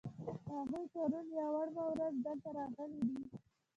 هغوی پرون یا وړمه ورځ دلته راغلي دي.